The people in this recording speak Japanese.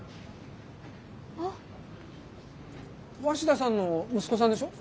鷲田さんの息子さんでしょ？